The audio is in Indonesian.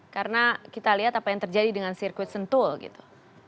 karena kita lihat apa yang terjadi dengan sirkuit sentul gitu